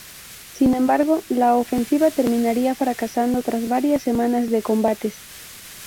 Sin embargo, la ofensiva terminaría fracasando tras varias semanas de combates.